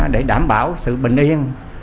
để đảm bảo sự bình yên